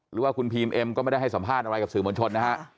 หรือว่าคุณพีมเอ็มก็ไม่ได้ให้สัมภาษณ์อะไรกับสื่อมวลชนนะฮะ